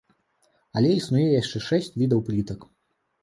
Але існуе яшчэ шэсць відаў плітак.